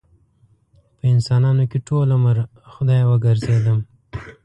په انسانانو کې ټول عمر خدايه وګرځېدم